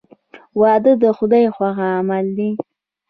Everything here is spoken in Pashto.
• واده د خدای خوښ عمل دی.